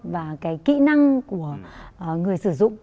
và cái kỹ năng của người sử dụng